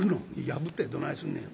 「破ってどないすんねや。